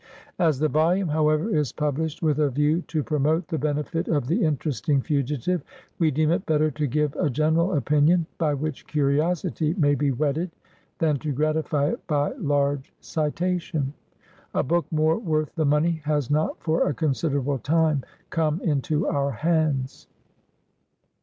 As the volume, however, is published with a view to promote the benefit of the interesting fugitive, we deem it better to give a general opinion, by which curiosity may be whetted, than to gratify it by large citation. A book more worth the money has not. for a considerable time, come into our hands.